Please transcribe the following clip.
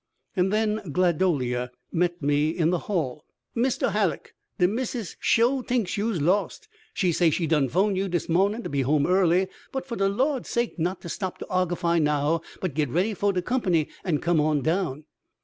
And then Gladolia met me in the hall. "Misto Hallock, de Missus sho t'inks you's lost! She say she done 'phone you dis mawnin' to be home early, but fo' de lawd's sake not to stop to argify now, but get ready fo' de company an' come on down."